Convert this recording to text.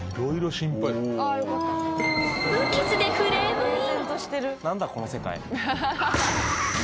［無傷でフレームイン］